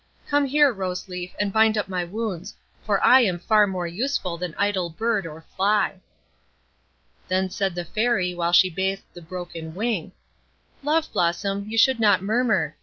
Come here, Rose Leaf, and bind up my wounds, for I am far more useful than idle bird or fly." Then said the Fairy, while she bathed the broken wing,— "Love Blossom, you should not murmur.